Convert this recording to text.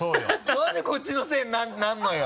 何でこっちのせいになるのよ！